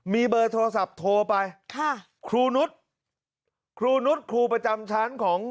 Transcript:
มีเบอร์โทรศัพท์โทรไปค่ะครูนุษย์ครูนุษย์ครูประจำชั้นของ